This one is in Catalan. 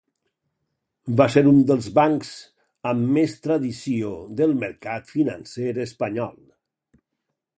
Va ser un dels bancs amb més tradició del mercat financer espanyol.